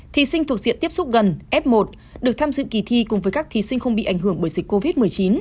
thí sinh thuộc diện tiếp xúc gần f một được tham dự kỳ thi cùng với các thí sinh không bị ảnh hưởng bởi dịch covid một mươi chín